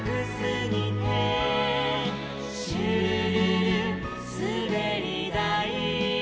「シュルルルすべりだい」